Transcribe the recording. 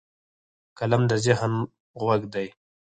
قلم د ذهن غوږ دی